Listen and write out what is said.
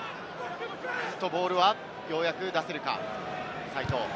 ボールはようやく出せるか、齋藤。